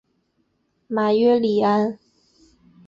马约里安。